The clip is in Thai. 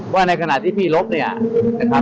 ว่าในขณะที่พี่ลบเนี่ยนะครับ